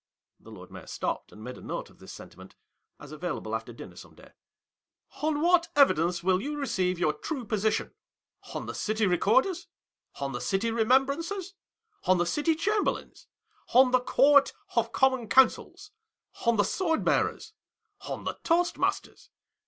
(The Lord Mayor stopped and made a note of this sentiment, as available after dinner some day.) "On what evidence will you receive your true position ? On the City Recorder's ? On the City Remembrancer's 1 On the City Chamberlain's 1 On the Court of Common Council's 1 On the Swordbearer's 1 On the Toastmaster's